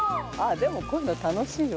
でもこういうの楽しいわ。